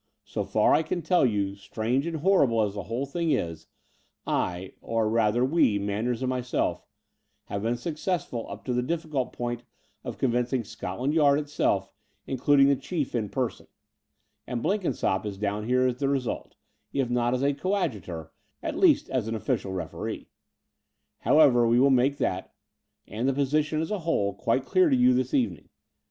So far I can tell you, strange and horrible as the whole thing is, I — or rather we, Manders and myself — ^have been successful up to the difficult point of convincing Scotland Yard itself, including the Chief in person ; and Blenkin sopp is down here as the result, if not as a coad jutor, at least as an official referee. However, we will make that, and the position as a whole, quite dear to you this evening.